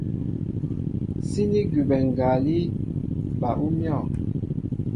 Síní gúbɛ ngalí bal ú myɔ̂.